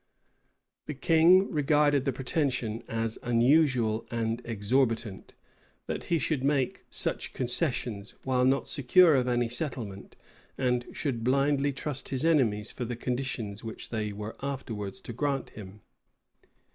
[*] {1648.} The king regarded the pretension as unusual and exorbitant, that he should make such concessions, while not secure of any settlement; and should blindly trust his enemies for the conditions which they were afterwards to grant him.